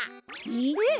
えっ？